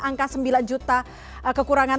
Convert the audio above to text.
angka sembilan juta kekurangan